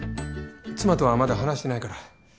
妻とはまだ話してないから。